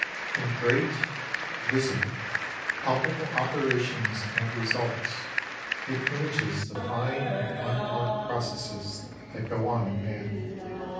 In great, visible, palpable operations and results it images the fine and unmarked processes that go on in man.